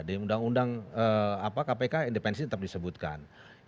di undang undang kpk independensi tetap disebutkan